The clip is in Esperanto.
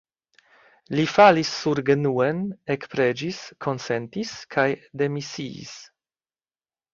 Li falis surgenuen, ekpreĝis, konsentis kaj demisiis.